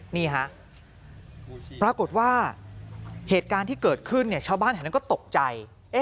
นี่ฮะปรากฏว่าเหตุการณ์ที่เกิดขึ้นเนี่ยชาวบ้านแถวนั้นก็ตกใจ